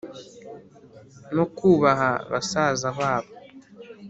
, no kubaha basaza babo.